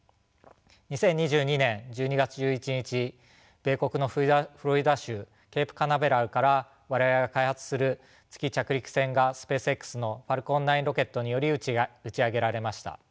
２０２２年１２月１１日米国のフロリダ州ケープカナベラルから我々が開発する月着陸船がＳｐａｃｅＸのＦａｌｃｏｎ９ロケットにより打ち上げられました。